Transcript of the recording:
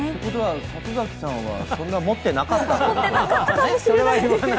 里崎さんはそんな持ってなかったんだね。